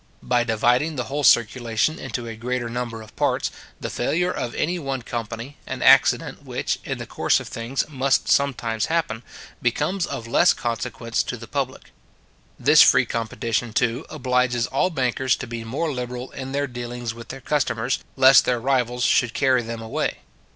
By dividing the whole circulation into a greater number of parts, the failure of any one company, an accident which, in the course of things, must sometimes happen, becomes of less consequence to the public. This free competition, too, obliges all bankers to be more liberal in their dealings with their customers, lest their rivals should carry them away.